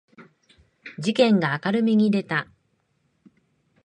事件が明るみに出た